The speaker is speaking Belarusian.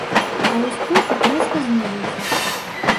А вось попыт рэзка знізіўся.